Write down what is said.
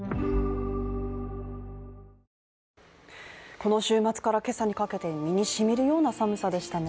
この週末から今朝にかけて身にしみるような寒さでしたね。